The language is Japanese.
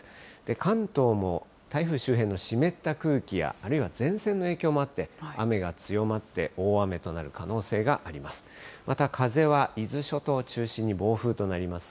関東も台風周辺の湿った空気や、あるいは前線の影響もあって、雨が強まって、大雨となる可能性があります。